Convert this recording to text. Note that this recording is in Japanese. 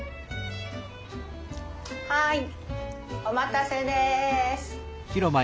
はいお待たせです！